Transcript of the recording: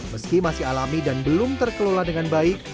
meski masih alami dan belum terkelola dengan baik